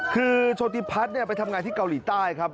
คือโชติพัฒน์ไปทำงานที่เกาหลีใต้ครับ